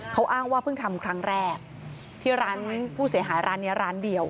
เขาอ้างว่าเพิ่งทำครั้งแรกที่ร้านผู้เสียหายร้านนี้ร้านเดียว